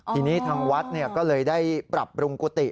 ทีนี้ทางวัดก็เลยได้ปรับปรุงกุฏิ